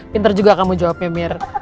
pinter juga kamu jawabnya mir